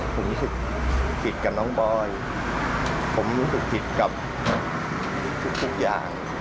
ผมรู้สึกผิดกับน้องบอยผมรู้สึกผิดกับทุกอย่าง